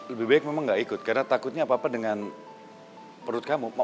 lebih baik memang nggak ikut karena takutnya apa apa dengan perut kamu